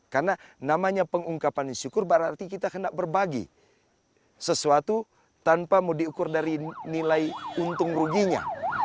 karena namanya pengungkapan syukur berarti kita kena berbagi sesuatu tanpa mau diukur dari nilai untung ruginya